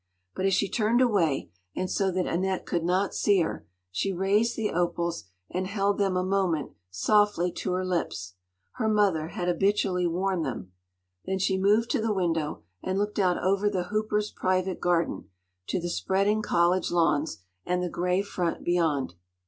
But as she turned away, and so that Annette could not see her, she raised the opals, and held them a moment softly to her lips. Her mother had habitually worn them. Then she moved to the window, and looked out over the Hoopers’ private garden, to the spreading college lawns, and the grey front beyond.